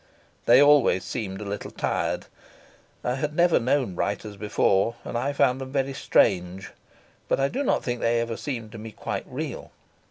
They always seemed a little tired. I had never known writers before, and I found them very strange, but I do not think they ever seemed to me quite real.